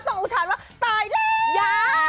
ส่งอุทานว่าตายและระยะ